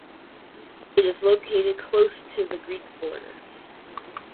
It is located close to the Greek border.